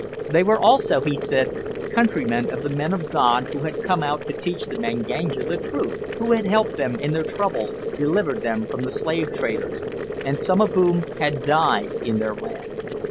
They were also, he said, countrymen of the men of God who had come out to teach the Manganja the Truth, who had helped them in their troubles, delivered them from the slave traders, and some of whom had died in their land.